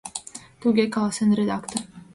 — «Туге», — каласен редактор.